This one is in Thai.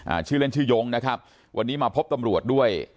อ่าชื่อเล่นชื่อยงนะครับวันนี้มาพบตำรวจด้วย